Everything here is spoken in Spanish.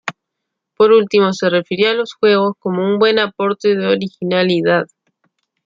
Por último se refirió a los juegos como un buen aporte de originalidad.